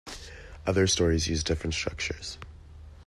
Other stories use different structures.